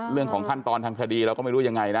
เรื่องของขั้นตอนทางคดีเราก็ไม่รู้ยังไงนะ